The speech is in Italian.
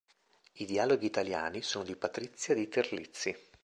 I dialoghi italiani sono di Patrizia Di Terlizzi